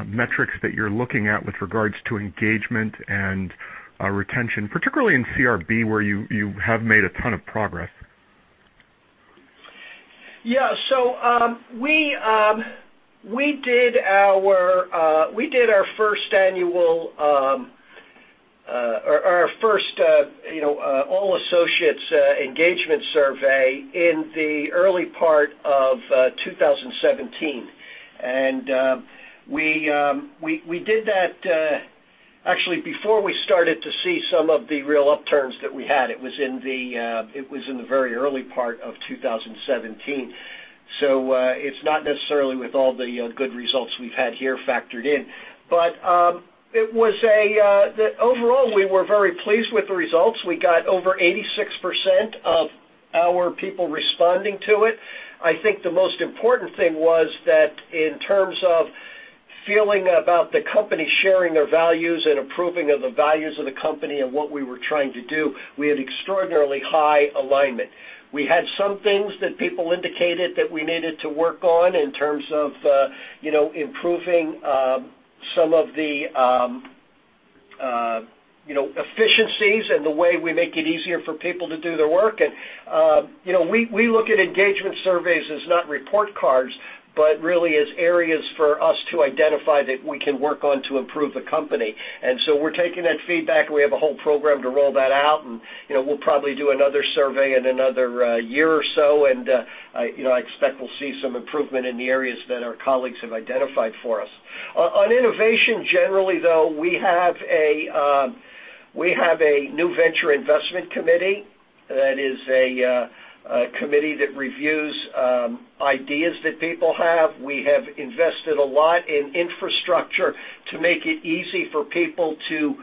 metrics that you're looking at with regards to engagement and retention, particularly in CRB, where you have made a ton of progress. Yeah. We did our first all associates engagement survey in the early part of 2017. We did that actually before we started to see some of the real upturns that we had. It was in the very early part of 2017. It's not necessarily with all the good results we've had here factored in. Overall, we were very pleased with the results. We got over 86% of our people responding to it. I think the most important thing was that in terms of feeling about the company sharing their values and approving of the values of the company and what we were trying to do, we had extraordinarily high alignment. We had some things that people indicated that we needed to work on in terms of improving some of the efficiencies and the way we make it easier for people to do their work. We look at engagement surveys as not report cards, but really as areas for us to identify that we can work on to improve the company. We're taking that feedback, and we have a whole program to roll that out, and we'll probably do another survey in another year or so, and I expect we'll see some improvement in the areas that our colleagues have identified for us. On innovation, generally, though, we have a new venture investment committee. That is a committee that reviews ideas that people have. We have invested a lot in infrastructure to make it easy for people to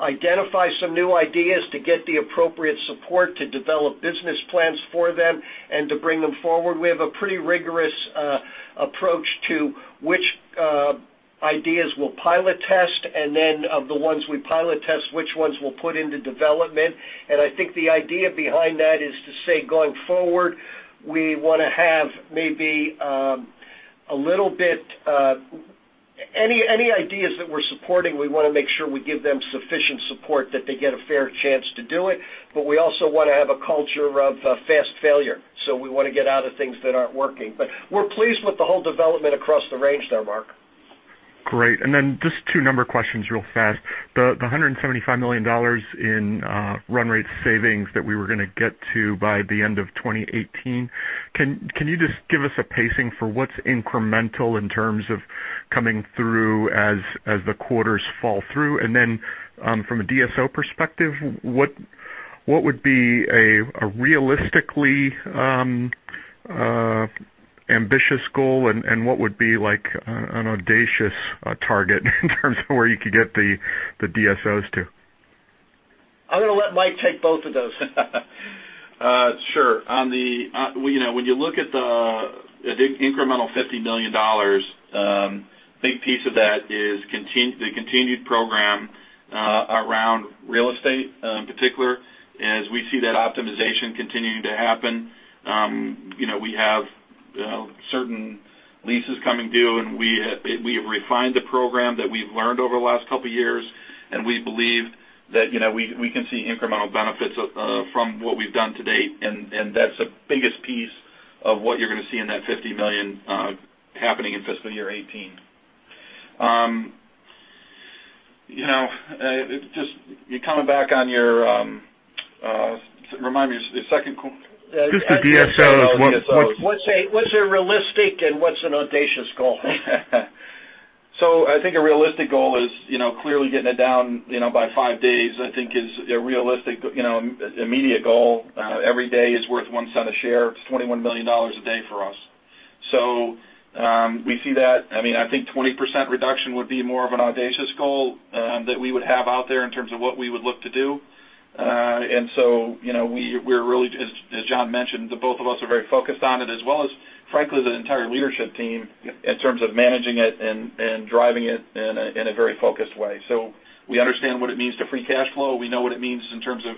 identify some new ideas, to get the appropriate support to develop business plans for them, and to bring them forward. We have a pretty rigorous approach to which ideas we'll pilot test, and then of the ones we pilot test, which ones we'll put into development. I think the idea behind that is to say, going forward, any ideas that we're supporting, we want to make sure we give them sufficient support that they get a fair chance to do it, but we also want to have a culture of fast failure. We want to get out of things that aren't working. We're pleased with the whole development across the range there, Mark. Great. Then just two number questions real fast. The $175 million in run rate savings that we were going to get to by the end of 2018, can you just give us a pacing for what's incremental in terms of coming through as the quarters fall through? Then, from a DSO perspective, what would be a realistically ambitious goal and what would be an audacious target in terms of where you could get the DSOs to? I'm going to let Mike take both of those. Sure. When you look at the incremental $50 million, big piece of that is the continued program around real estate, in particular. As we see that optimization continuing to happen, we have certain leases coming due, and we have refined the program that we've learned over the last couple of years, and we believe that we can see incremental benefits from what we've done to date, and that's the biggest piece of what you're going to see in that $50 million happening in fiscal year 2018. Just coming back on your Remind me, the second. Just the DSOs. What's a realistic and what's an audacious goal? I think a realistic goal is clearly getting it down by five days, I think is a realistic immediate goal. Every day is worth $0.01 a share. It's $21 million a day for us. We see that. I think 20% reduction would be more of an audacious goal that we would have out there in terms of what we would look to do. We're really, as John mentioned, the both of us are very focused on it as well as, frankly, the entire leadership team in terms of managing it and driving it in a very focused way. We understand what it means to free cash flow. We know what it means in terms of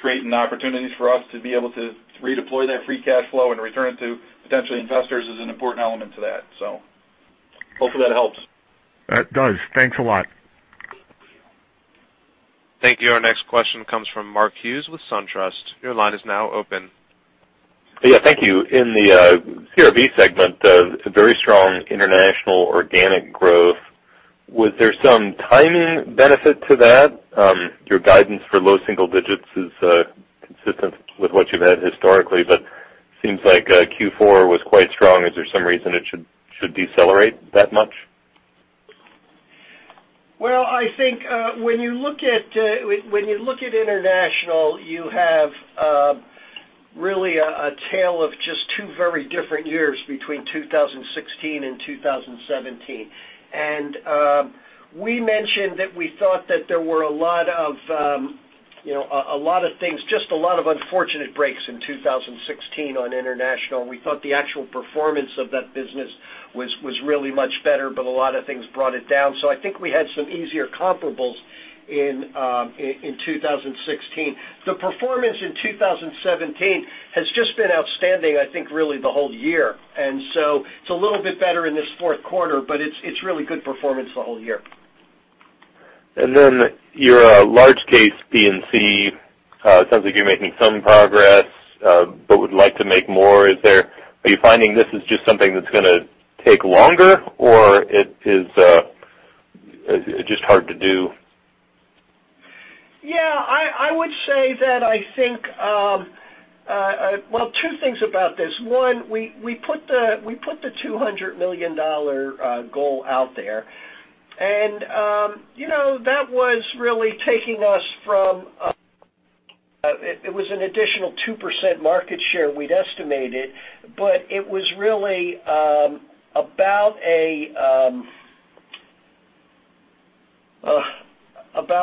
creating opportunities for us to be able to redeploy that free cash flow and return it to potential investors is an important element to that. Hopefully that helps. That does. Thanks a lot. Thank you. Our next question comes from Mark Hughes with SunTrust. Your line is now open. Thank you. In the CRB segment, a very strong international organic growth. Was there some timing benefit to that? Your guidance for low single digits is consistent with what you've had historically, but seems like Q4 was quite strong. Is there some reason it should decelerate that much? I think when you look at international, you have really a tale of just two very different years between 2016 and 2017. We mentioned that we thought that there were a lot of things, just a lot of unfortunate breaks in 2016 on international. We thought the actual performance of that business was really much better, but a lot of things brought it down. I think we had some easier comparables in 2016. The performance in 2017 has just been outstanding, I think really the whole year. It's a little bit better in this fourth quarter, but it's really good performance the whole year. Then your large case, P&C, it sounds like you're making some progress, but would like to make more. Are you finding this is just something that's going to take longer, or it is just hard to do? I would say that I think two things about this. One, we put the $200 million goal out there. That was really taking us from, it was an additional 2% market share we'd estimated, but it was really about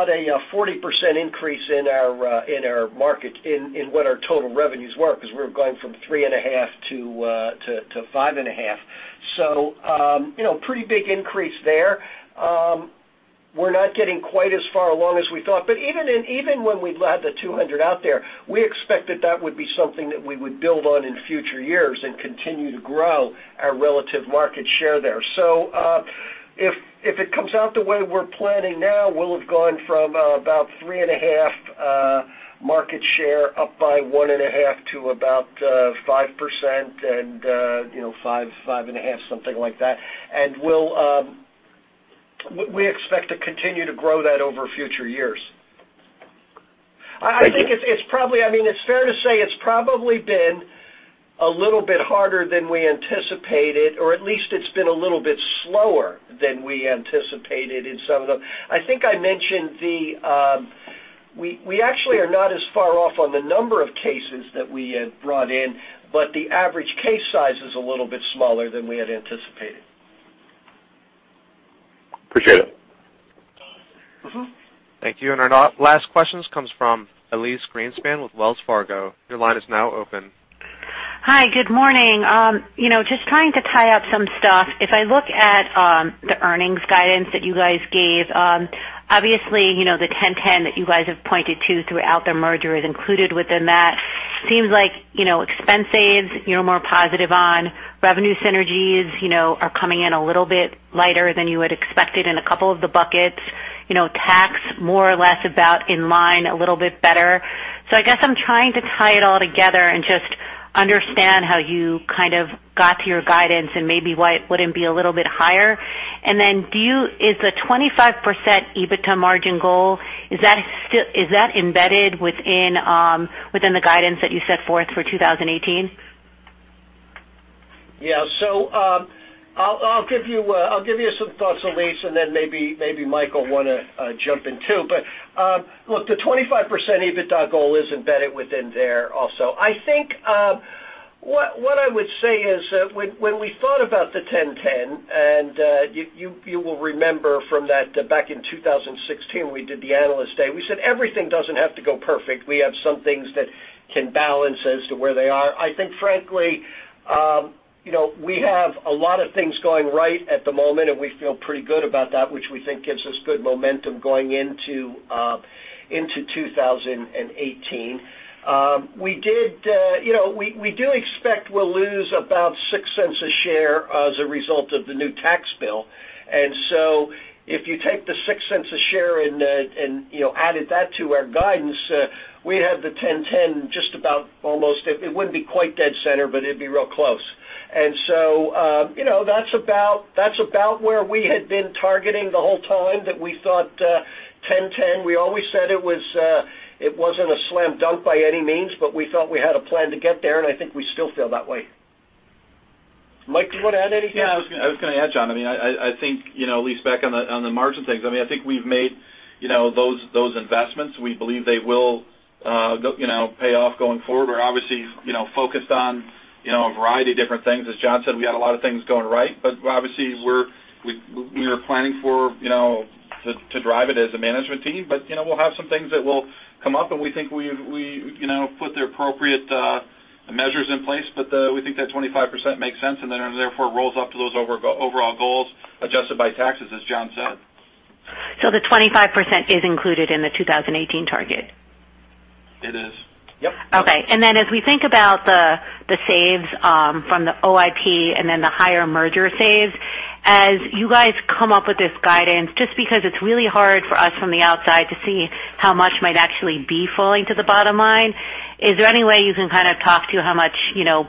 a 40% increase in what our total revenues were, because we were going from 3.5% to 5.5%. Pretty big increase there. We're not getting quite as far along as we thought, but even when we'd let the 200 out there, we expected that would be something that we would build on in future years and continue to grow our relative market share there. If it comes out the way we're planning now, we'll have gone from about 3.5% market share up by 1.5% to about 5% and 5.5%, something like that. We expect to continue to grow that over future years. Thank you. I think it's fair to say it's probably been a little bit harder than we anticipated, or at least it's been a little bit slower than we anticipated in some of them. I think I mentioned we actually are not as far off on the number of cases that we had brought in, but the average case size is a little bit smaller than we had anticipated. Appreciate it. Thank you. Our last questions comes from Elyse Greenspan with Wells Fargo. Your line is now open. Hi, good morning. Just trying to tie up some stuff. If I look at the earnings guidance that you guys gave, obviously, the 10-10 that you guys have pointed to throughout the merger is included within that. Seems like expense saves you're more positive on, revenue synergies are coming in a little bit lighter than you had expected in a couple of the buckets. Tax, more or less about in line a little bit better. I guess I'm trying to tie it all together and just understand how you kind of got to your guidance and maybe why it wouldn't be a little bit higher. Is the 25% EBITDA margin goal, is that embedded within the guidance that you set forth for 2018? Yeah. I'll give you some thoughts, Elyse, and then maybe Michael will want to jump in, too. Look, the 25% EBITDA goal is embedded within there also. I think what I would say is when we thought about the 10-10, and you will remember from back in 2016, we did the Analyst Day, we said everything doesn't have to go perfect. We have some things that can balance as to where they are. I think frankly, we have a lot of things going right at the moment, and we feel pretty good about that, which we think gives us good momentum going into 2018. We do expect we'll lose about $0.06 a share as a result of the new tax bill. If you take the $0.06 a share and added that to our guidance, we'd have the 10-10 just about almost, it wouldn't be quite dead center, but it'd be real close. That's about where we had been targeting the whole time that we thought 10-10. We always said it wasn't a slam dunk by any means, but we felt we had a plan to get there, and I think we still feel that way. Mike, do you want to add anything? Yeah, I was going to add, John. I think, Elyse, back on the margin things, I think we've made those investments. We believe they will pay off going forward. We're obviously focused on a variety of different things. As John said, we got a lot of things going right, but obviously we are planning to drive it as a management team. We'll have some things that will come up, and we think we've put the appropriate measures in place. We think that 25% makes sense, and then therefore rolls up to those overall goals adjusted by taxes, as John said. The 25% is included in the 2018 target? It is. Yep. Okay. As we think about the saves from the OIP and the higher merger saves As you guys come up with this guidance, just because it is really hard for us from the outside to see how much might actually be falling to the bottom line, is there any way you can kind of talk to how much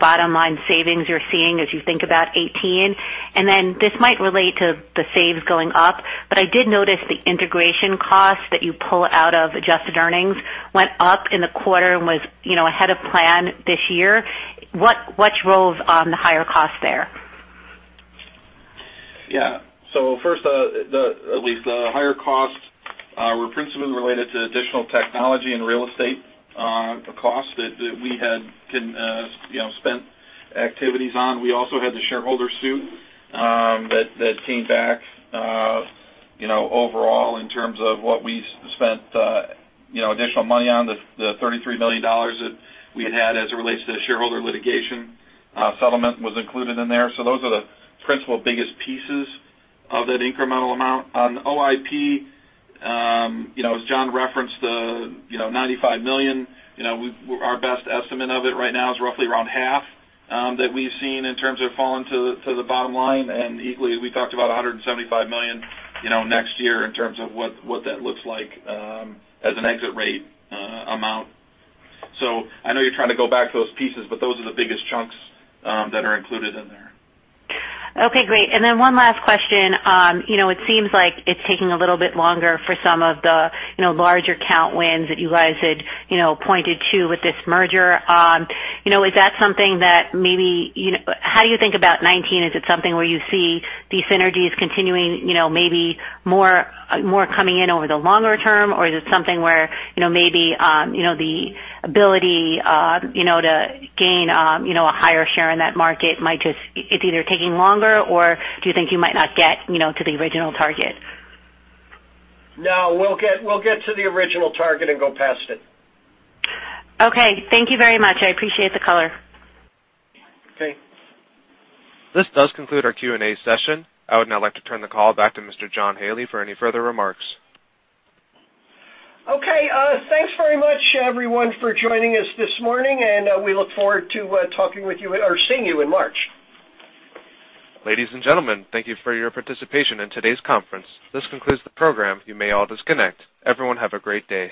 bottom-line savings you are seeing as you think about 2018? This might relate to the saves going up, but I did notice the integration costs that you pull out of adjusted earnings went up in the quarter and was ahead of plan this year. What drove the higher cost there? First, Elyse, the higher costs were principally related to additional technology and real estate costs that we had spent activities on. We also had the shareholder suit that came back. Overall, in terms of what we spent additional money on, the $33 million that we had had as it relates to the shareholder litigation settlement was included in there. Those are the principal biggest pieces of that incremental amount. On OIP, as John referenced the $95 million, our best estimate of it right now is roughly around half that we have seen in terms of falling to the bottom line. Equally, we talked about $175 million next year in terms of what that looks like as an exit rate amount. I know you are trying to go back to those pieces, but those are the biggest chunks that are included in there. Okay, great. One last question. It seems like it's taking a little bit longer for some of the larger count wins that you guys had pointed to with this merger. How do you think about 2019? Is it something where you see the synergies continuing, maybe more coming in over the longer term? Or is it something where maybe the ability to gain a higher share in that market, it's either taking longer, or do you think you might not get to the original target? No, we'll get to the original target and go past it. Okay. Thank you very much. I appreciate the color. Okay. This does conclude our Q&A session. I would now like to turn the call back to Mr. John Haley for any further remarks. Okay. Thanks very much, everyone, for joining us this morning, and we look forward to talking with you or seeing you in March. Ladies and gentlemen, thank you for your participation in today's conference. This concludes the program. You may all disconnect. Everyone have a great day.